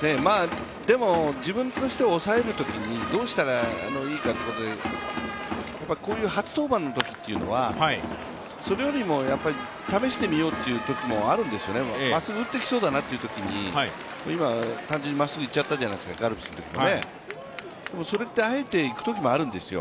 自分としては抑えるときにどうしたらいいかということでこういう初登板のときというのは、それよりもやっぱり試してみようというときもあるんですよね、まっすぐ打ってきそうだなってときに、今、単純にまっすぐ行っちゃったじゃないですか、それってあえていくときもあるんですよ。